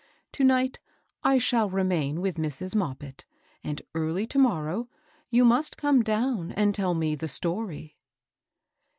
To* night I shall remain with Mrs. Moppit, and early to morrow you must come down itod tell me the story."